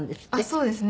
そうですね。